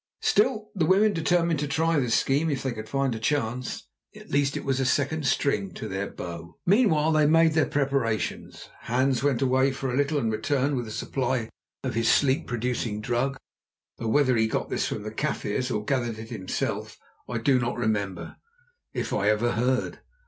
Still the women determined to try this scheme if they could find a chance. At least it was a second string to their bow. Meanwhile they made their preparations. Hans went away for a little and returned with a supply of his sleep producing drug, though whether he got this from the Kaffirs or gathered it himself, I do not remember, if I ever heard.